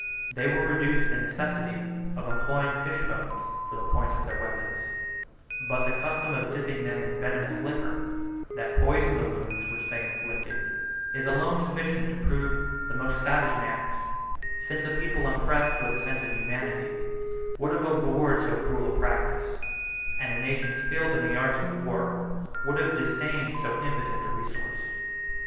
They were reduced to the necessity of employing fish bones for the points of their weapons; but the custom of dipping them in a venomous liquor, that poisoned the wounds which they inflicted, is alone sufficient to prove the most savage manners, since a people impressed with a sense of humanity would have abhorred so cruel a practice, and a nation skilled in the arts of war would have disdained so impotent a resource.